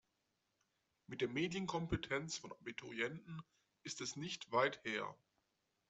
Mit der Medienkompetenz von Abiturienten ist es nicht weit her.